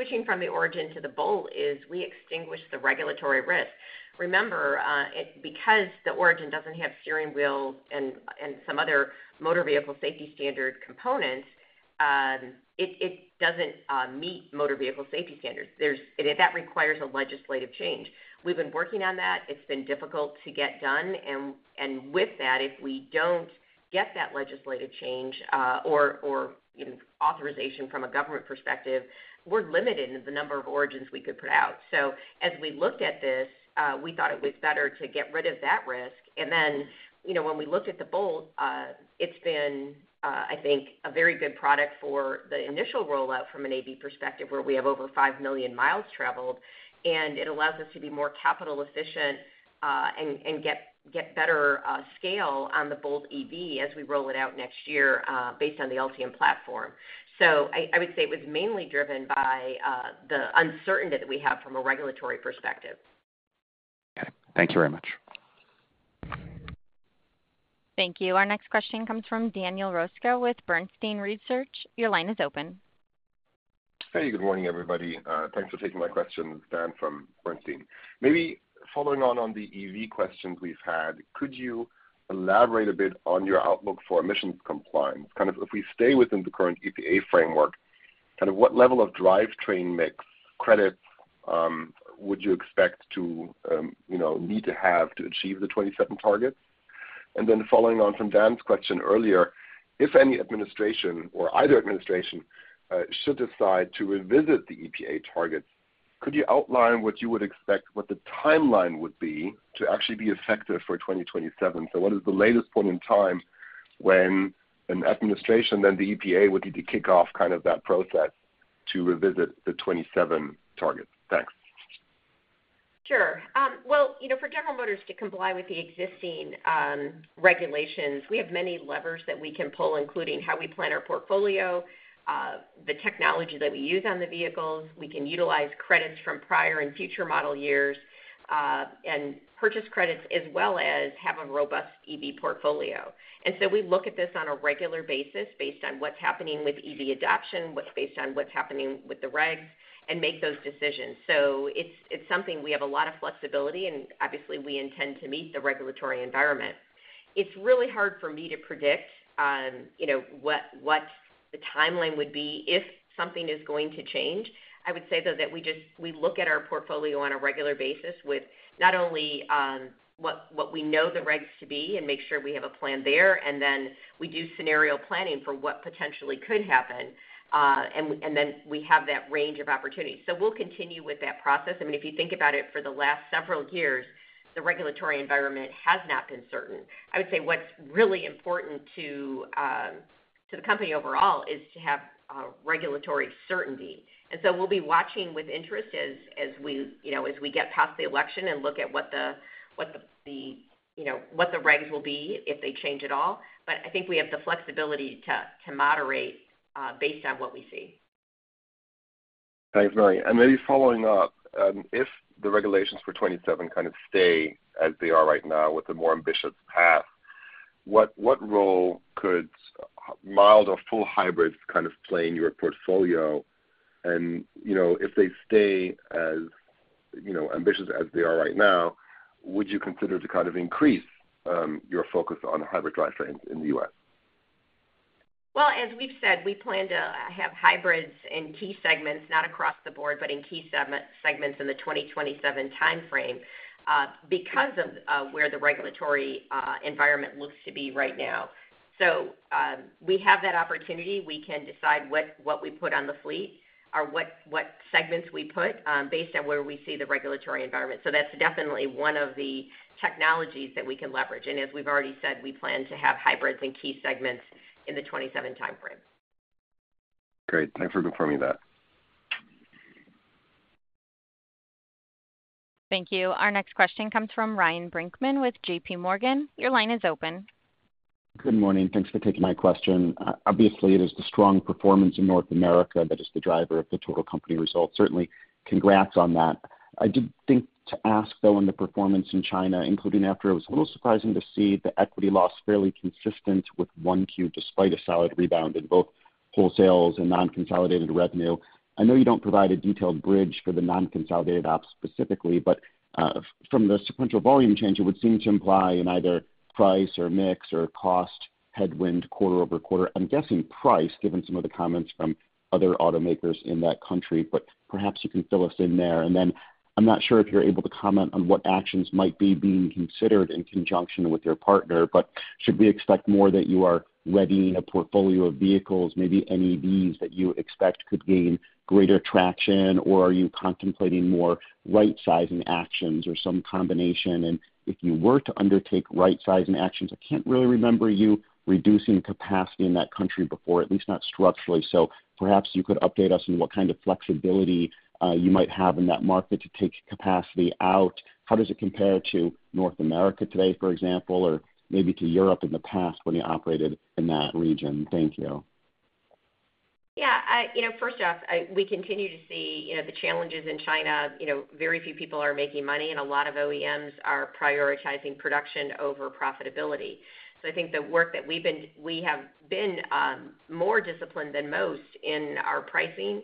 switching from the origin to the Bolt is we extinguish the regulatory risk. Remember, because the origin doesn't have steering wheels and some other motor vehicle safety standard components, it doesn't meet motor vehicle safety standards. That requires a legislative change. We've been working on that. It's been difficult to get done. And with that, if we don't get that legislative change or authorization from a government perspective, we're limited in the number of origins we could put out. So as we looked at this, we thought it was better to get rid of that risk. And then when we looked at the Bolt, it's been, I think, a very good product for the initial rollout from an AV perspective where we have over 5 million miles traveled. And it allows us to be more capital efficient and get better scale on the Bolt EV as we roll it out next year based on the Ultium platform. So I would say it was mainly driven by the uncertainty that we have from a regulatory perspective. Okay. Thank you very much. Thank you. Our next question comes from Daniel Roeska with Bernstein Research. Your line is open. Hey, good morning, everybody. Thanks for taking my question, Dan, from Bernstein. Maybe following on on the EV questions we've had, could you elaborate a bit on your outlook for emissions compliance? Kind of if we stay within the current EPA framework, kind of what level of drivetrain mix credits would you expect to need to have to achieve the 2027 targets? And then following on from Dan's question earlier, if any administration or either administration should decide to revisit the EPA targets, could you outline what you would expect, what the timeline would be to actually be effective for 2027? So what is the latest point in time when an administration and the EPA would need to kick off kind of that process to revisit the 2027 targets? Thanks. Sure. Well, for General Motors to comply with the existing regulations, we have many levers that we can pull, including how we plan our portfolio, the technology that we use on the vehicles. We can utilize credits from prior and future model years and purchase credits, as well as have a robust EV portfolio. And so we look at this on a regular basis based on what's happening with EV adoption, based on what's happening with the regs, and make those decisions. It's something we have a lot of flexibility. Obviously, we intend to meet the regulatory environment. It's really hard for me to predict what the timeline would be if something is going to change. I would say, though, that we look at our portfolio on a regular basis with not only what we know the regs to be and make sure we have a plan there, and then we do scenario planning for what potentially could happen. Then we have that range of opportunities. We'll continue with that process. I mean, if you think about it, for the last several years, the regulatory environment has not been certain. I would say what's really important to the company overall is to have regulatory certainty. And so we'll be watching with interest as we get past the election and look at what the regs will be if they change at all. But I think we have the flexibility to moderate based on what we see. Thanks, Mary. And maybe following up, if the regulations for 2027 kind of stay as they are right now with a more ambitious path, what role could mild or full hybrids kind of play in your portfolio? And if they stay as ambitious as they are right now, would you consider to kind of increase your focus on hybrid drivetrains in the U.S.? Well, as we've said, we plan to have hybrids in key segments, not across the board, but in key segments in the 2027 timeframe because of where the regulatory environment looks to be right now. So we have that opportunity. We can decide what we put on the fleet or what segments we put based on where we see the regulatory environment. So that's definitely one of the technologies that we can leverage. And as we've already said, we plan to have hybrids in key segments in the 2027 timeframe. Great. Thanks for confirming that. Thank you. Our next question comes from Ryan Brinkman with JPMorgan. Your line is open. Good morning. Thanks for taking my question. Obviously, it is the strong performance in North America that is the driver of the total company result. Certainly, congrats on that. I did think to ask, though, on the performance in China, including after it was a little surprising to see the equity loss fairly consistent with 1Q despite a solid rebound in both wholesale and non-consolidated revenue. I know you don't provide a detailed bridge for the non-consolidated ops specifically, but from the sequential volume change, it would seem to imply in either price or mix or cost headwind quarter over quarter. I'm guessing price, given some of the comments from other automakers in that country. But perhaps you can fill us in there. And then I'm not sure if you're able to comment on what actions might be being considered in conjunction with your partner, but should we expect more that you are readying a portfolio of vehicles, maybe NEVs that you expect could gain greater traction? Or are you contemplating more right-sizing actions or some combination? And if you were to undertake right-sizing actions, I can't really remember you reducing capacity in that country before, at least not structurally. So perhaps you could update us on what kind of flexibility you might have in that market to take capacity out. How does it compare to North America today, for example, or maybe to Europe in the past when you operated in that region? Thank you. Yeah. First off, we continue to see the challenges in China. Very few people are making money, and a lot of OEMs are prioritizing production over profitability. So I think the work that we have been more disciplined than most in our pricing.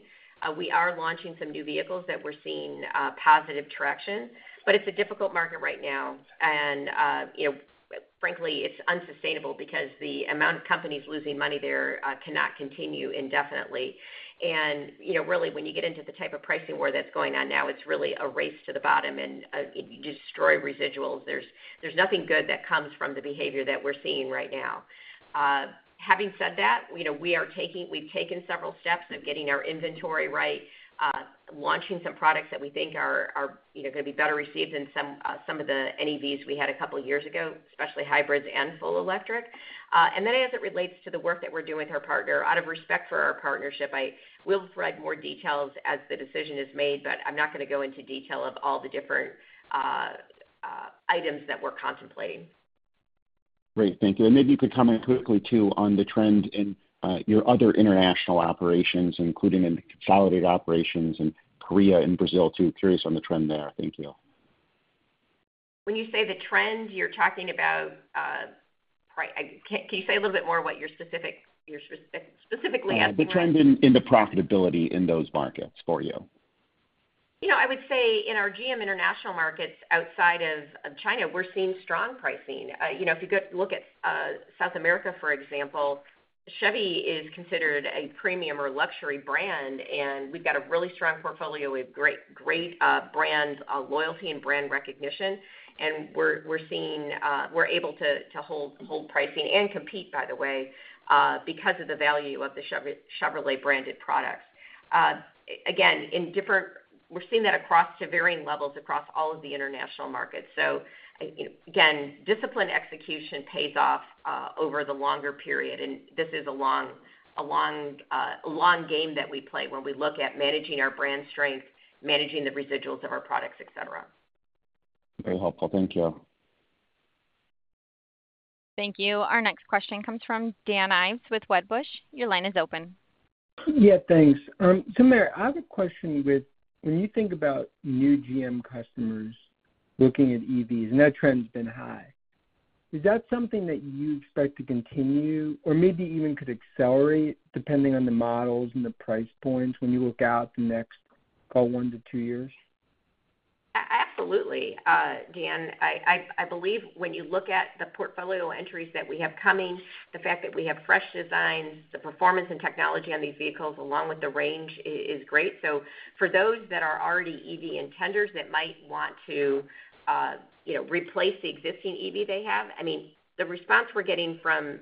We are launching some new vehicles that we're seeing positive traction. But it's a difficult market right now. And frankly, it's unsustainable because the amount of companies losing money there cannot continue indefinitely. And really, when you get into the type of pricing war that's going on now, it's really a race to the bottom and destroy residuals. There's nothing good that comes from the behavior that we're seeing right now. Having said that, we've taken several steps of getting our inventory right, launching some products that we think are going to be better received than some of the NEVs we had a couple of years ago, especially hybrids and full electric. And then as it relates to the work that we're doing with our partner, out of respect for our partnership, I will provide more details as the decision is made. But I'm not going to go into detail of all the different items that we're contemplating. Great. Thank you. And maybe you could comment quickly, too, on the trend in your other international operations, including in consolidated operations in Korea and Brazil, too. Curious on the trend there. Thank you. When you say the trend, you're talking about, can you say a little bit more what you're specifically asking? The trend in the profitability in those markets for you. I would say in our GM international markets outside of China, we're seeing strong pricing. If you look at South America, for example, Chevy is considered a premium or luxury brand. And we've got a really strong portfolio with great brand loyalty and brand recognition. And we're able to hold pricing and compete, by the way, because of the value of the Chevrolet-branded products. Again, we're seeing that across to varying levels across all of the international markets. So again, discipline execution pays off over the longer period. And this is a long game that we play when we look at managing our brand strength, managing the residuals of our products, etc. Very helpful. Thank you. Thank you. Our next question comes from Dan Ives with Wedbush. Your line is open. Yeah. Thanks. So Mary, I have a question with when you think about new GM customers looking at EVs, and that trend's been high. Is that something that you expect to continue or maybe even could accelerate depending on the models and the price points when you look out the next, call it, one to two years? Absolutely, Dan. I believe when you look at the portfolio entries that we have coming, the fact that we have fresh designs, the performance and technology on these vehicles along with the range is great. So for those that are already EV intenders that might want to replace the existing EV they have, I mean, the response we're getting from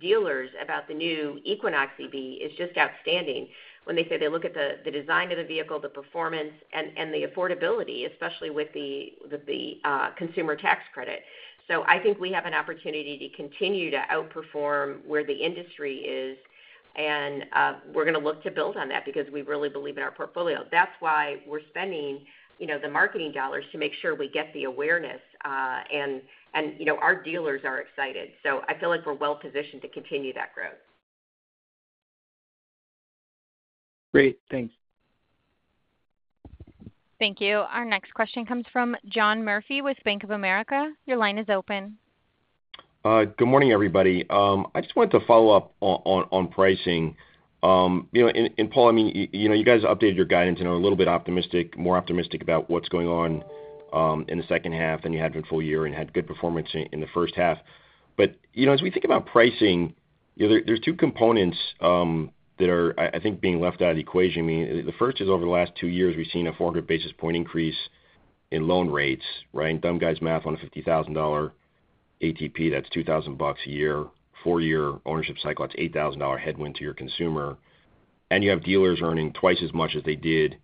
dealers about the new Equinox EV is just outstanding when they say they look at the design of the vehicle, the performance, and the affordability, especially with the consumer tax credit. So I think we have an opportunity to continue to outperform where the industry is. And we're going to look to build on that because we really believe in our portfolio. That's why we're spending the marketing dollars to make sure we get the awareness. And our dealers are excited. So I feel like we're well-positioned to continue that growth. Great. Thanks. Thank you. Our next question comes from John Murphy with Bank of America. Your line is open. Good morning, everybody. I just wanted to follow up on pricing. Paul, I mean, you guys updated your guidance and are a little bit more optimistic about what's going on in the second half than you had before a year and had good performance in the first half. But as we think about pricing, there are two components that are, I think, being left out of the equation. I mean, the first is over the last two years, we've seen a 400 basis point increase in loan rates, right? Dumb guys' math on a $50,000 ATP, that's $2,000 bucks a year. Four-year ownership cycle, that's $8,000 headwind to your consumer. And you have dealers earning twice as much as they did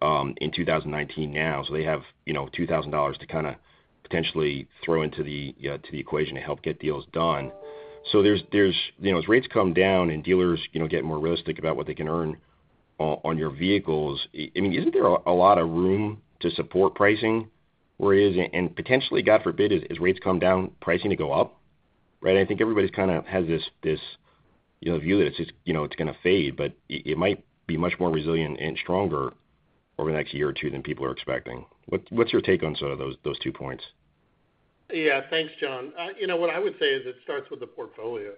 in 2019 now. So they have $2,000 to kind of potentially throw into the equation to help get deals done. So as rates come down and dealers get more realistic about what they can earn on your vehicles, I mean, isn't there a lot of room to support pricing where it is? And potentially, God forbid, as rates come down, pricing to go up, right? I think everybody kind of has this view that it's going to fade, but it might be much more resilient and stronger over the next year or two than people are expecting. What's your take on some of those two points? Yeah. Thanks, John. What I would say is it starts with the portfolio.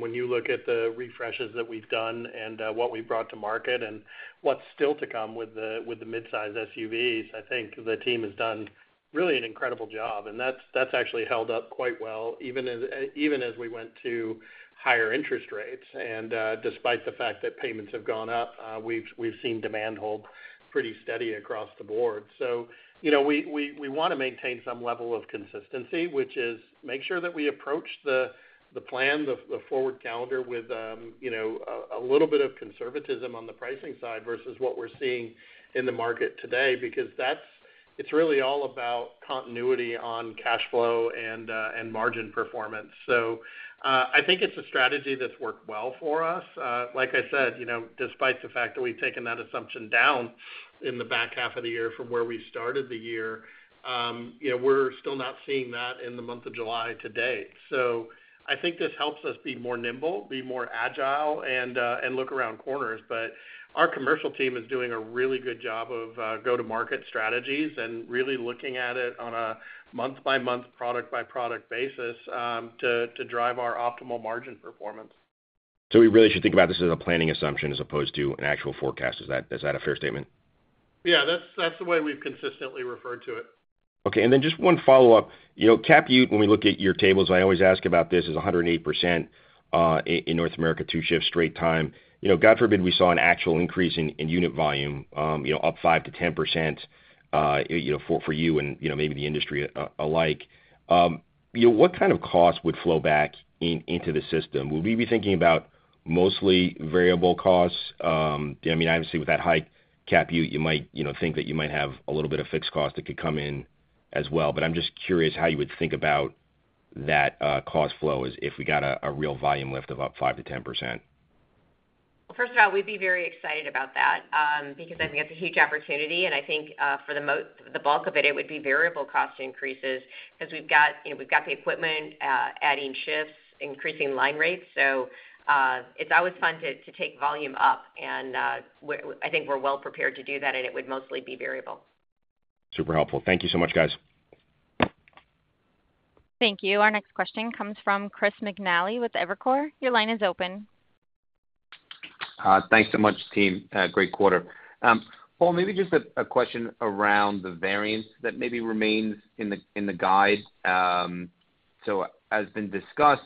When you look at the refreshes that we've done and what we've brought to market and what's still to come with the midsize SUVs, I think the team has done really an incredible job. And that's actually held up quite well, even as we went to higher interest rates. Despite the fact that payments have gone up, we've seen demand hold pretty steady across the board. We want to maintain some level of consistency, which is make sure that we approach the plan, the forward calendar with a little bit of conservatism on the pricing side versus what we're seeing in the market today because it's really all about continuity on cash flow and margin performance. I think it's a strategy that's worked well for us. Like I said, despite the fact that we've taken that assumption down in the back half of the year from where we started the year, we're still not seeing that in the month of July to date. I think this helps us be more nimble, be more agile, and look around corners. But our commercial team is doing a really good job of go-to-market strategies and really looking at it on a month-by-month, product-by-product basis to drive our optimal margin performance. So we really should think about this as a planning assumption as opposed to an actual forecast. Is that a fair statement? Yeah. That's the way we've consistently referred to it. Okay. And then just one follow-up. Capacity utilization, when we look at your tables, I always ask about this, is 108% in North America two-shift straight time. God forbid we saw an actual increase in unit volume, up 5%-10% for you and maybe the industry alike. What kind of cost would flow back into the system? Would we be thinking about mostly variable costs? I mean, obviously, with that hike, CapEx, you might think that you might have a little bit of fixed cost that could come in as well. But I'm just curious how you would think about that cost flow if we got a real volume lift of up 5%-10%. Well, first of all, we'd be very excited about that because I think it's a huge opportunity. And I think for the bulk of it, it would be variable cost increases because we've got the equipment adding shifts, increasing line rates. So it's always fun to take volume up. And I think we're well-prepared to do that, and it would mostly be variable. Super helpful. Thank you so much, guys. Thank you. Our next question comes from Chris McNally with Evercore. Your line is open. Thanks so much, team. Great quarter. Paul, maybe just a question around the variance that maybe remains in the guide. So as has been discussed,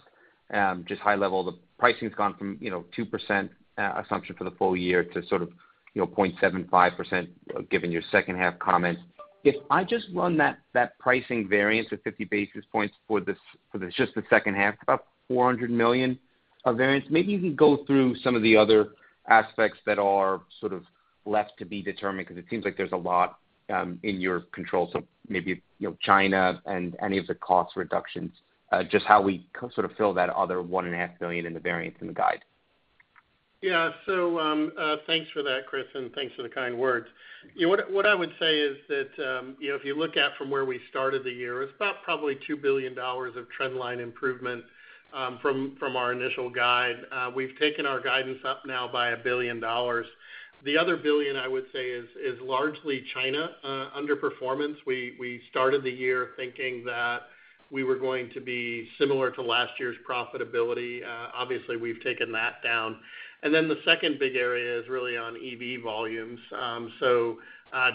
just high level, the pricing's gone from 2% assumption for the full year to sort of 0.75% given your second-half comment. If I just run that pricing variance of 50 basis points for just the second half, about $400 million of variance, maybe you can go through some of the other aspects that are sort of left to be determined because it seems like there's a lot in your control. So maybe China and any of the cost reductions, just how we sort of fill that other $1.5 billion in the variance in the guide. Yeah. So thanks for that, Chris, and thanks for the kind words. What I would say is that if you look at from where we started the year, it's about probably $2 billion of trendline improvement from our initial guide. We've taken our guidance up now by $1 billion. The other $1 billion, I would say, is largely China underperformance. We started the year thinking that we were going to be similar to last year's profitability. Obviously, we've taken that down. And then the second big area is really on EV volumes. So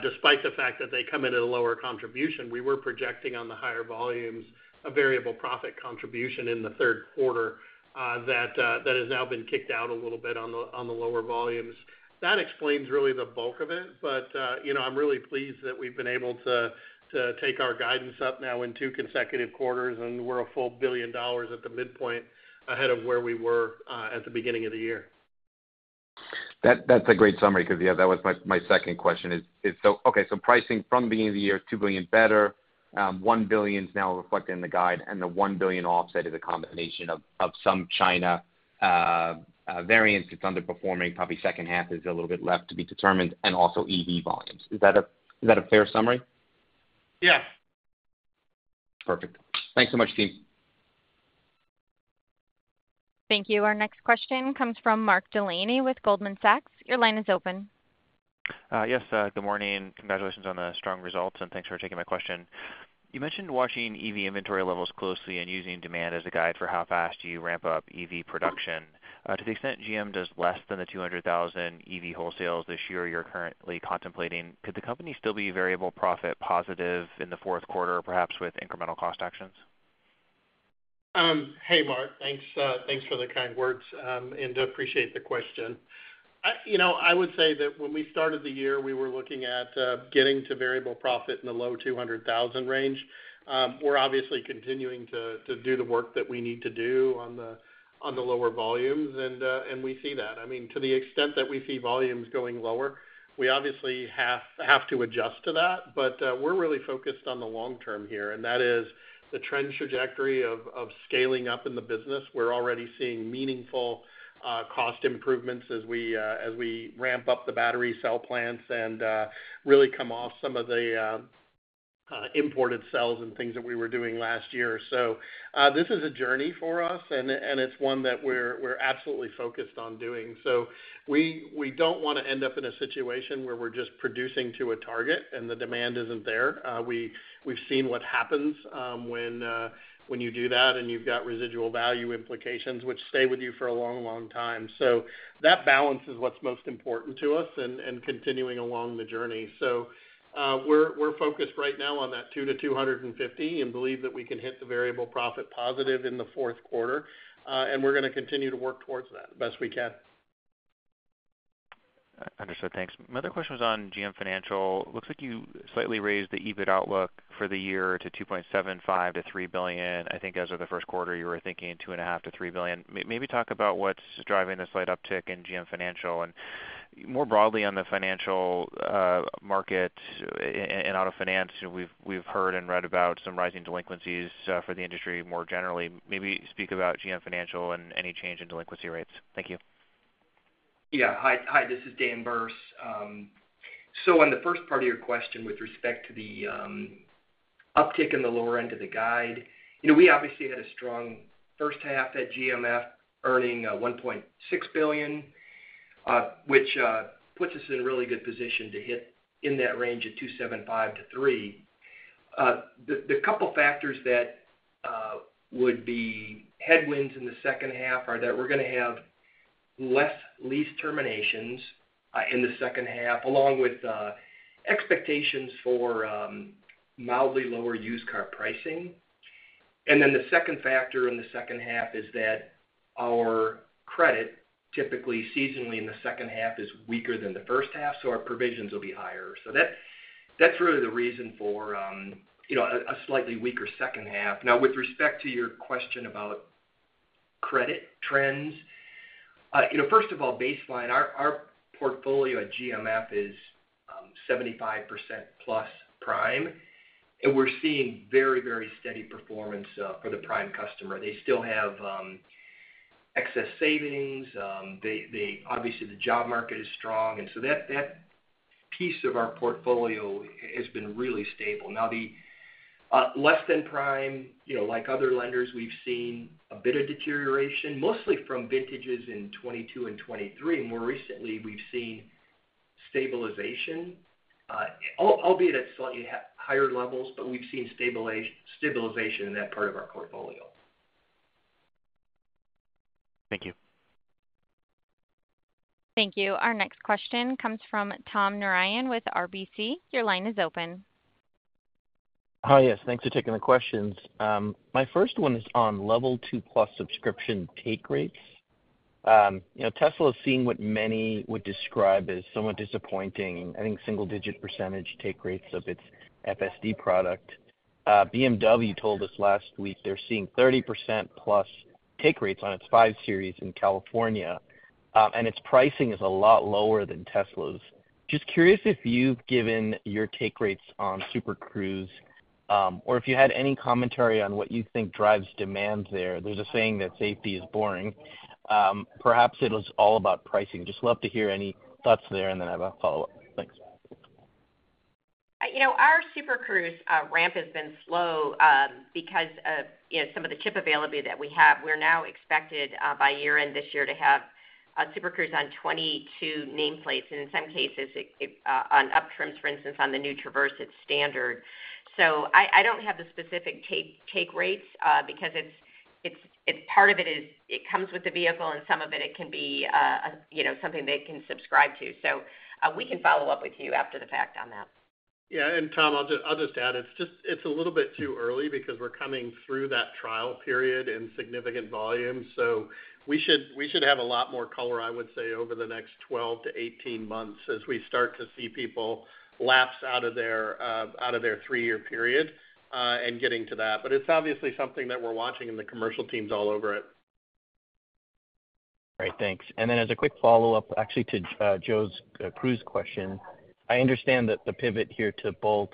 despite the fact that they come in at a lower contribution, we were projecting on the higher volumes a variable profit contribution in the third quarter that has now been kicked out a little bit on the lower volumes. That explains really the bulk of it. But I'm really pleased that we've been able to take our guidance up now in two consecutive quarters, and we're a full $1 billion at the midpoint ahead of where we were at the beginning of the year. That's a great summary because, yeah, that was my second question. Okay. So pricing from the beginning of the year, $2 billion better. $1 billion is now reflected in the guide, and the $1 billion offset is a combination of some China variance that's underperforming. Probably second half is a little bit left to be determined and also EV volumes. Is that a fair summary? Yeah. Perfect. Thanks so much, team. Thank you. Our next question comes from Mark Delaney with Goldman Sachs. Your line is open. Yes. Good morning. Congratulations on the strong results, and thanks for taking my question. You mentioned watching EV inventory levels closely and using demand as a guide for how fast you ramp up EV production. To the extent GM does less than the 200,000 EV wholesales this year you're currently contemplating, could the company still be variable profit positive in the fourth quarter, perhaps with incremental cost actions? Hey, Mark. Thanks for the kind words, and appreciate the question. I would say that when we started the year, we were looking at getting to variable profit in the low 200,000 range. We're obviously continuing to do the work that we need to do on the lower volumes, and we see that. I mean, to the extent that we see volumes going lower, we obviously have to adjust to that. But we're really focused on the long term here, and that is the trend trajectory of scaling up in the business. We're already seeing meaningful cost improvements as we ramp up the battery cell plants and really come off some of the imported cells and things that we were doing last year. So this is a journey for us, and it's one that we're absolutely focused on doing. So we don't want to end up in a situation where we're just producing to a target and the demand isn't there. We've seen what happens when you do that and you've got residual value implications, which stay with you for a long, long time. So that balance is what's most important to us and continuing along the journey. So we're focused right now on that 200-250 and believe that we can hit the variable profit positive in the fourth quarter. And we're going to continue to work towards that the best we can. Understood. Thanks. My other question was on GM Financial. Looks like you slightly raised the EBIT outlook for the year to $2.75 billion-$3 billion. I think as of the first quarter, you were thinking $2.5 billion-$3 billion. Maybe talk about what's driving the slight uptick in GM Financial. And more broadly on the financial market and auto finance, we've heard and read about some rising delinquencies for the industry more generally. Maybe speak about GM Financial and any change in delinquency rates. Thank you. Yeah. Hi, this is Dan Berce. So on the first part of your question with respect to the uptick in the lower end of the guide, we obviously had a strong first half at GMF earning $1.6 billion, which puts us in a really good position to hit in that range of $2.75 billion-$3 billion. The couple of factors that would be headwinds in the second half are that we're going to have less lease terminations in the second half, along with expectations for mildly lower used car pricing. Then the second factor in the second half is that our credit typically seasonally in the second half is weaker than the first half, so our provisions will be higher. That's really the reason for a slightly weaker second half. Now, with respect to your question about credit trends, first of all, baseline, our portfolio at GMF is 75% + prime. And we're seeing very, very steady performance for the prime customer. They still have excess savings. Obviously, the job market is strong. And so that piece of our portfolio has been really stable. Now, the less than prime, like other lenders, we've seen a bit of deterioration, mostly from vintages in 2022 and 2023. More recently, we've seen stabilization, albeit at slightly higher levels, but we've seen stabilization in that part of our portfolio. Thank you. Thank you. Our next question comes from Tom Narayan with RBC. Your line is open. Hi, yes. Thanks for taking the questions. My first one is on Level 2-plus subscription take rates. Tesla is seeing what many would describe as somewhat disappointing, I think single-digit % take rates of its FSD product. BMW told us last week they're seeing 30%+ take rates on its 5 Series in California. And its pricing is a lot lower than Tesla's. Just curious if you've given your take rates on Super Cruise or if you had any commentary on what you think drives demand there. There's a saying that safety is boring. Perhaps it was all about pricing. Just love to hear any thoughts there and then have a follow-up. Thanks. Our Super Cruise ramp has been slow because of some of the chip availability that we have. We're now expected by year-end this year to have Super Cruise on 22 nameplates. And in some cases, on upper trims, for instance, on the new Traverse, it's standard. So I don't have the specific take rates because part of it is it comes with the vehicle, and some of it, it can be something they can subscribe to. So we can follow up with you after the fact on that. Yeah. And Tom, I'll just add, it's a little bit too early because we're coming through that trial period in significant volume. So we should have a lot more color, I would say, over the next 12-18 months as we start to see people lapse out of their three-year period and getting to that. But it's obviously something that we're watching in the commercial teams all over it. All right. Thanks. And then as a quick follow-up, actually, to Joe's Cruise question, I understand that the pivot here to Bolt,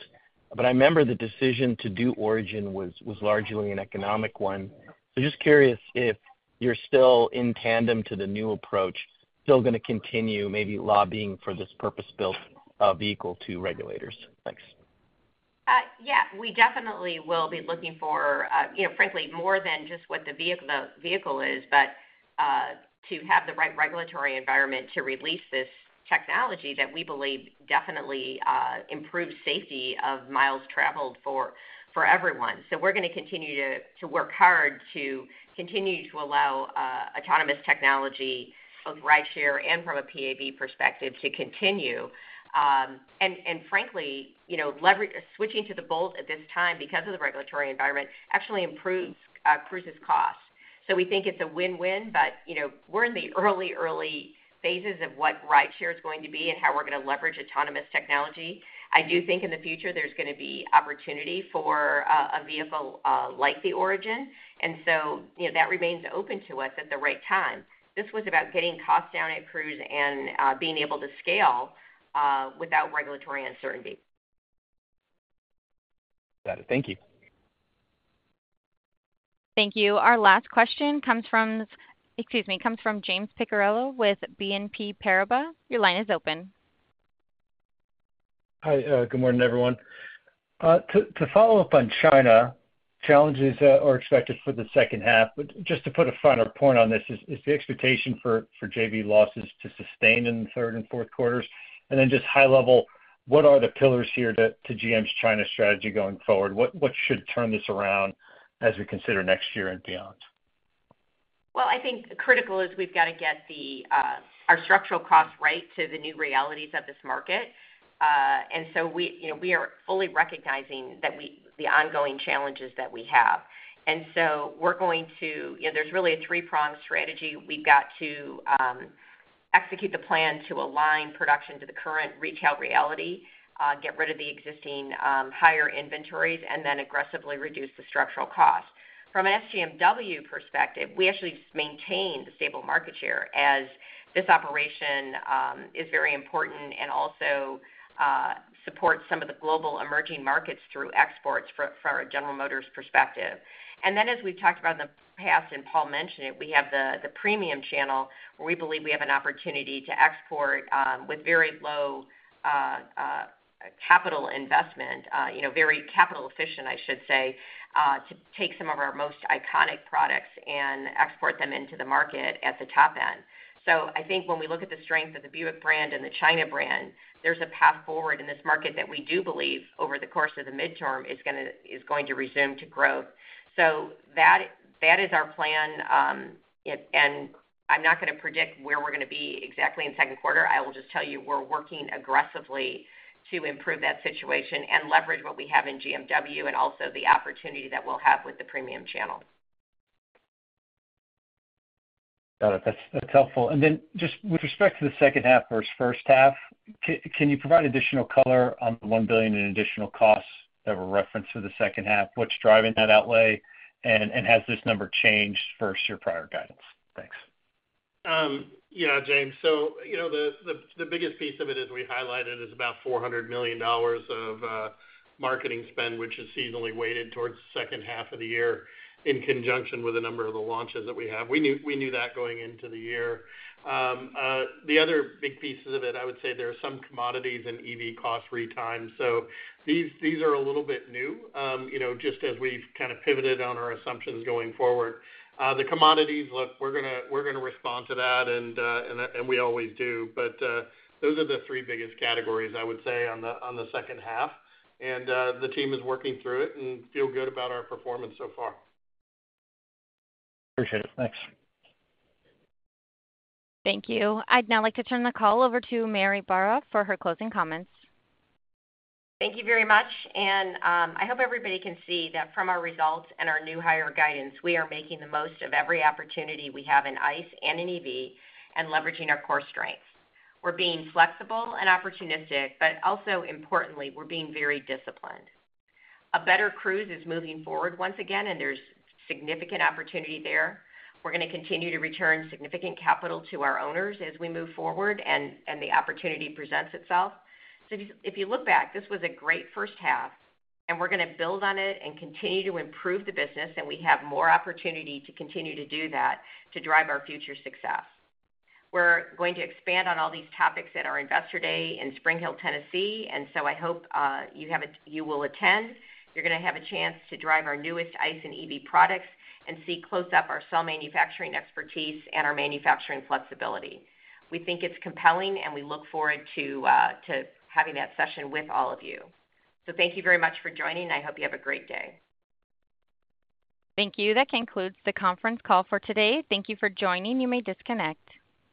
but I remember the decision to do Origin was largely an economic one. So just curious if you're still in tandem to the new approach, still going to continue maybe lobbying for this purpose-built vehicle to regulators. Thanks. Yeah. We definitely will be looking for, frankly, more than just what the vehicle is, but to have the right regulatory environment to release this technology that we believe definitely improves safety of miles traveled for everyone. So we're going to continue to work hard to continue to allow autonomous technology, both rideshare and from a PAV perspective, to continue. And frankly, switching to the Bolt at this time because of the regulatory environment actually improves Cruise's cost. So we think it's a win-win, but we're in the early, early phases of what rideshare is going to be and how we're going to leverage autonomous technology. I do think in the future there's going to be opportunity for a vehicle like the Origin. And so that remains open to us at the right time. This was about getting costs down at Cruise and being able to scale without regulatory uncertainty. Got it. Thank you. Thank you. Our last question comes from, excuse me, comes from James Picariello with BNP Paribas. Your line is open. Hi. Good morning, everyone. To follow up on China, challenges are expected for the second half. But just to put a finer point on this, is the expectation for JV losses to sustain in the third and fourth quarters? And then just high level, what are the pillars here to GM's China strategy going forward? What should turn this around as we consider next year and beyond? Well, I think critical is we've got to get our structural cost right to the new realities of this market. And so we are fully recognizing the ongoing challenges that we have. And so we're going to, there's really a three-pronged strategy. We've got to execute the plan to align production to the current retail reality, get rid of the existing higher inventories, and then aggressively reduce the structural cost. From an SGMW perspective, we actually maintain the stable market share as this operation is very important and also supports some of the global emerging markets through exports from a General Motors perspective. And then, as we've talked about in the past, and Paul mentioned it, we have the premium channel where we believe we have an opportunity to export with very low capital investment, very capital efficient, I should say, to take some of our most iconic products and export them into the market at the top end. So I think when we look at the strength of the Buick brand and the China brand, there's a path forward in this market that we do believe over the course of the midterm is going to resume to growth. So that is our plan. And I'm not going to predict where we're going to be exactly in second quarter. I will just tell you we're working aggressively to improve that situation and leverage what we have in GMW and also the opportunity that we'll have with the premium channel. Got it. That's helpful. And then just with respect to the second half versus first half, can you provide additional color on the $1 billion in additional costs that were referenced for the second half? What's driving that outlay? And has this number changed versus your prior guidance? Thanks. Yeah, James. So the biggest piece of it, as we highlighted, is about $400 million of marketing spend, which is seasonally weighted towards the second half of the year in conjunction with the number of the launches that we have. We knew that going into the year. The other big pieces of it, I would say there are some commodities and EV cost retimes. So these are a little bit new, just as we've kind of pivoted on our assumptions going forward. The commodities, look, we're going to respond to that, and we always do. But those are the three biggest categories, I would say, on the second half. And the team is working through it and feel good about our performance so far. Understood. Thanks. Thank you. I'd now like to turn the call over to Mary Barra for her closing comments. Thank you very much. And I hope everybody can see that from our results and our new higher guidance, we are making the most of every opportunity we have in ICE and in EV and leveraging our core strengths. We're being flexible and opportunistic, but also importantly, we're being very disciplined. A better Cruise is moving forward once again, and there's significant opportunity there. We're going to continue to return significant capital to our owners as we move forward and the opportunity presents itself. So if you look back, this was a great first half, and we're going to build on it and continue to improve the business, and we have more opportunity to continue to do that to drive our future success. We're going to expand on all these topics at our investor day in Spring Hill, Tennessee. And so I hope you will attend. You're going to have a chance to drive our newest ICE and EV products and see close up our cell manufacturing expertise and our manufacturing flexibility. We think it's compelling, and we look forward to having that session with all of you. So thank you very much for joining, and I hope you have a great day. Thank you. That concludes the conference call for today. Thank you for joining. You may disconnect.